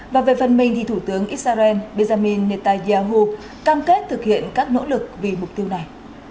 và về phần mình thì thủ tướng israel benjamin netanyahu cam kết thực hiện các nỗ lực vì mục tiêu này